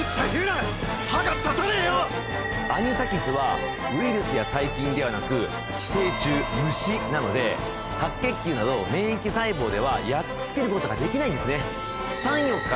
アニサキスはウイルスや細菌ではなく寄生虫虫なので白血球など免疫細胞ではやっつけることができないんですね。